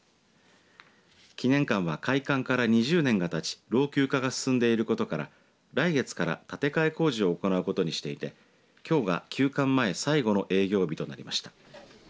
記念館は開館から２０年がたち老朽化が進んでいることから来月から建て替え工事を行うことにしていてきょうが休館前最後の営業日となりました。